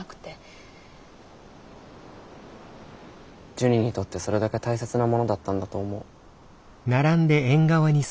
ジュニにとってそれだけ大切なものだったんだと思う。